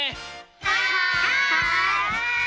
はい！